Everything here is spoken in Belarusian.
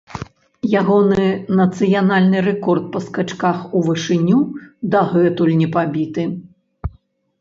Ягоны нацыянальны рэкорд па скачках у вышыню дагэтуль не пабіты.